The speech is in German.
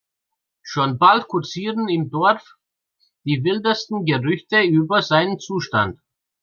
Schon bald kursieren im Dorf die wildesten Gerüchte über seinen Zustand.